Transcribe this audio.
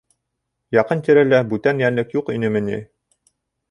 — Яҡын-тирәлә бүтән йәнлек юҡ инеме ни?